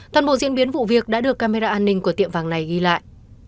toàn bộ diễn biến vụ việc đã được camera an ninh của tiệm vàng này ghi lại